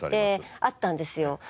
あったんですよ。